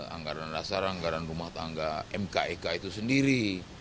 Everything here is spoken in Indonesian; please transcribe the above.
anggaran dasar anggaran rumah tangga mkek itu sendiri